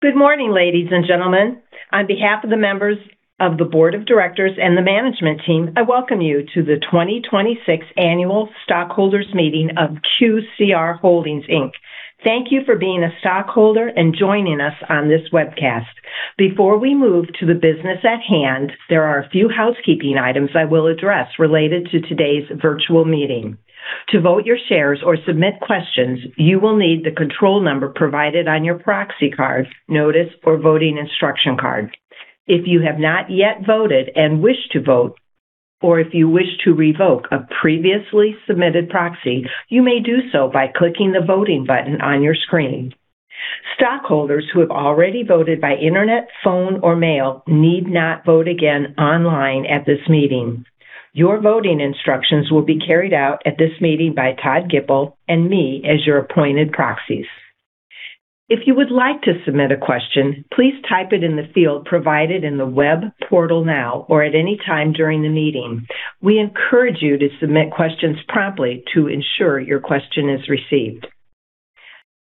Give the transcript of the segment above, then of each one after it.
Good morning, ladies and gentlemen. On behalf of the members of the Board of Directors and the management team, I welcome you to the 2026 Annual Stockholders Meeting of QCR Holdings, Inc. Thank you for being a stockholder and joining us on this webcast. Before we move to the business at hand, there are a few housekeeping items I will address related to today's virtual meeting. To vote your shares or submit questions, you will need the control number provided on your proxy card, notice, or voting instruction card. If you have not yet voted and wish to vote, or if you wish to revoke a previously submitted proxy, you may do so by clicking the voting button on your screen. Stockholders who have already voted by internet, phone, or mail need not vote again online at this meeting. Your voting instructions will be carried out at this meeting by Todd Gipple and me as your appointed proxies. If you would like to submit a question, please type it in the field provided in the web portal now or at any time during the meeting. We encourage you to submit questions promptly to ensure your question is received.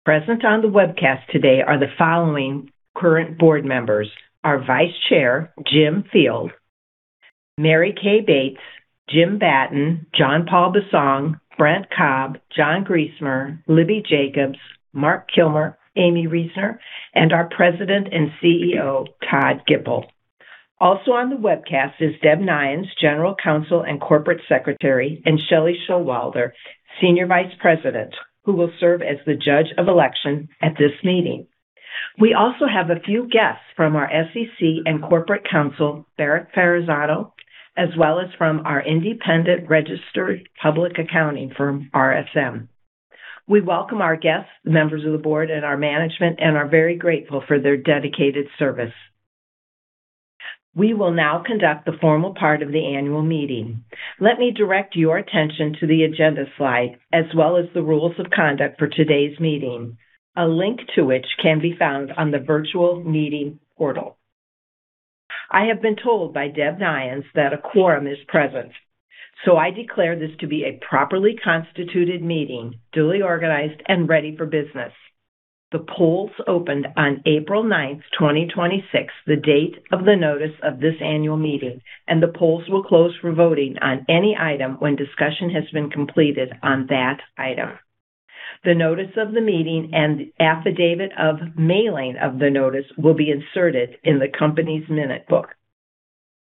Present on the webcast today are the following current Board members: our Vice Chair, Jim Field; Mary Kay Bates; Jim Batten; John-Paul Besong; Brent Cobb; John Griesemer; Elizabeth Jacobs; Mark Kilmer; Amy Reasner; and our President and CEO, Todd Gipple. Also on the webcast is Deborah Neyens, General Counsel and Corporate Secretary, and Shellee Showalter, Senior Vice President, who will serve as the Judge of Election at this meeting. We also have a few guests from our SEC and Corporate Counsel, Barack Ferrazzano, as well as from our independent registered public accounting firm, RSM. We welcome our guests, the members of the Board, and our management and are very grateful for their dedicated service. We will now conduct the formal part of the Annual Meeting. Let me direct your attention to the agenda slide, as well as the rules of conduct for today's meeting, a link to which can be found on the virtual meeting portal. I have been told by Deborah Neyens that a quorum is present, so I declare this to be a properly constituted meeting, duly organized and ready for business. The polls opened on April 9th, 2026, the date of the notice of this Annual Meeting, and the polls will close for voting on any item when discussion has been completed on that item. The Notice of the Meeting and affidavit of mailing of the notice will be inserted in the company's minute book.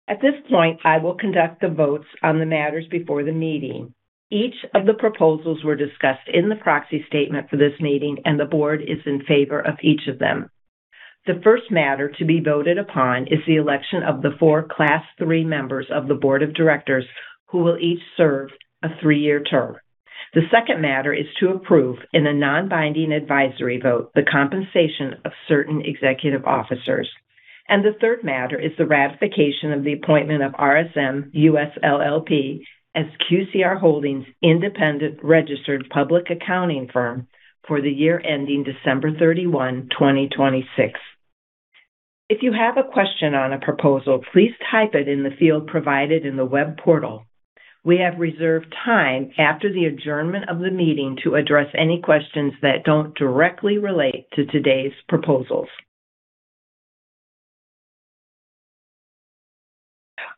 At this point, I will conduct the votes on the matters before the meeting. Each of the proposals were discussed in the proxy statement for this meeting, and the Board is in favor of each of them. The first matter to be voted upon is the election of the four Class III members of the Board of Directors who will each serve a three-year term. The second matter is to approve, in a non-binding advisory vote, the compensation of certain executive officers. The third matter is the ratification of the appointment of RSM US LLP as QCR Holdings' independent registered public accounting firm for the year ending December 31, 2026. If you have a question on a proposal, please type it in the field provided in the web portal. We have reserved time after the adjournment of the meeting to address any questions that don't directly relate to today's proposals.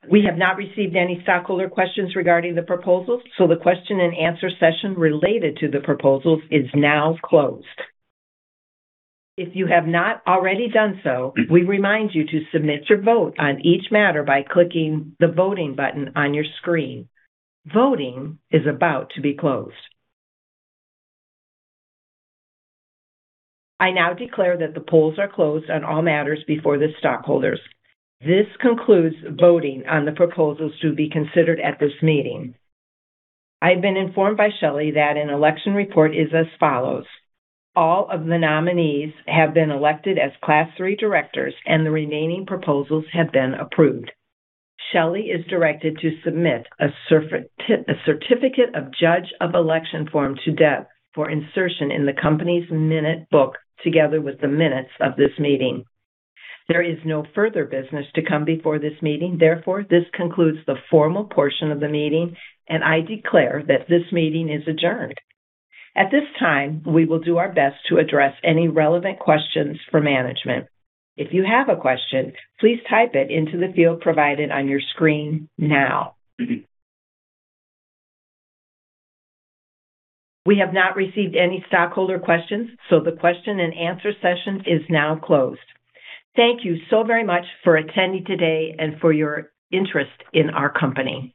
We have not received any stockholder questions regarding the proposals, so the question and answer session related to the proposals is now closed. If you have not already done so, we remind you to submit your vote on each matter by clicking the voting button on your screen. Voting is about to be closed. I now declare that the polls are closed on all matters before the stockholders. This concludes voting on the proposals to be considered at this meeting. I have been informed by Shellee that an election report is as follows: all of the nominees have been elected as Class III Directors, and the remaining proposals have been approved. Shellee is directed to submit a Certificate of Judge of Election form to Deb for insertion in the company's minute book together with the minutes of this meeting. There is no further business to come before this meeting. Therefore, this concludes the formal portion of the meeting, and I declare that this meeting is adjourned. At this time, we will do our best to address any relevant questions for management. If you have a question, please type it into the field provided on your screen now. We have not received any stockholder questions, so the question and answer session is now closed. Thank you so very much for attending today and for your interest in our company.